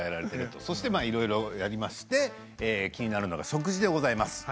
いろいろありまして気になるのが食事でございます。